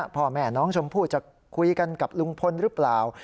พ่อแม่น้องชมพู่จะคุยกันกับลุงพลหรือเปล่า